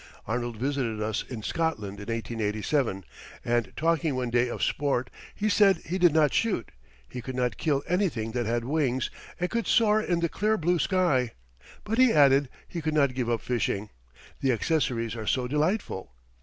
Arnold visited us in Scotland in 1887, and talking one day of sport he said he did not shoot, he could not kill anything that had wings and could soar in the clear blue sky; but, he added, he could not give up fishing "the accessories are so delightful."